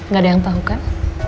gak ada yang tahu kan